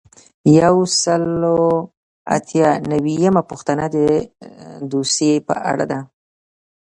یو سل او اته نوي یمه پوښتنه د دوسیې په اړه ده.